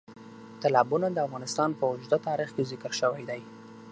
تالابونه د افغانستان په اوږده تاریخ کې ذکر شوی دی.